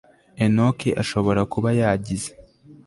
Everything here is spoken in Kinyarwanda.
enock ashobora kuba yagize